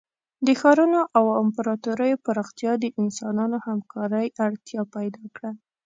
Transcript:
د ښارونو او امپراتوریو پراختیا د انسانانو همکارۍ اړتیا پیدا کړه.